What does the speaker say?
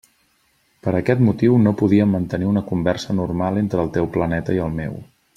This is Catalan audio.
Per aquest motiu no podíem mantenir una conversa normal entre el teu planeta i el meu.